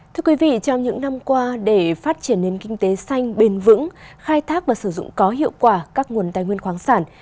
thưa quý vị trong những năm qua để phát triển nền kinh tế xanh bền vững khai thác và sử dụng có hiệu quả các nguồn tài nguyên khoáng sản